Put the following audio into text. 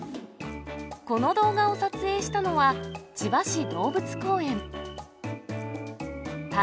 この動画を撮影したのは、千葉市動物公園。